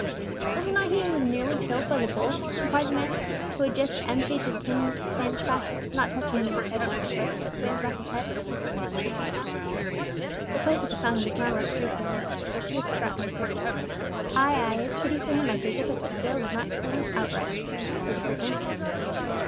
"Was it not he who was nearly killed by the bull?" inquired the man who had just emptied the tin in Spanish fashion not touching the vessel with his lips, but throwing back his head, and pouring the contents into his mouth. The place at the fountain was now left free for Inez, but she had forgotten her thirst. "Ay, ay; it's pity for him, I take it, that the bull did not kill him outright," said the fruit man.